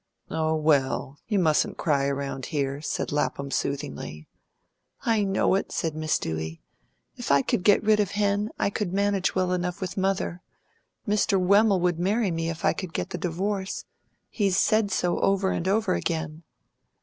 "Oh, well, you mustn't cry around here," said Lapham soothingly. "I know it," said Miss Dewey. "If I could get rid of Hen, I could manage well enough with mother. Mr. Wemmel would marry me if I could get the divorce. He's said so over and over again."